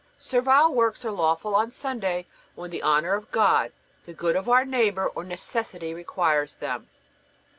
Servile works are lawful on Sunday when the honor of God, the good of our neighbor, or necessity requires them.